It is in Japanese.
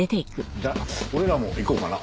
じゃあ俺らも行こうかな。